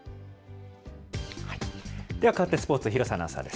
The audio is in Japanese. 変わってスポーツ、廣瀬アナウンサーです。